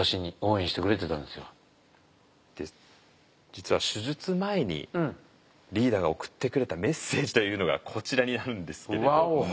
実は手術前にリーダーが送ってくれたメッセージというのがこちらにあるんですけれども。